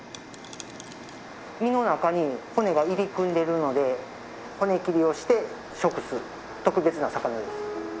身の中に骨が入り組んでいるので骨切りをして食す特別な魚です。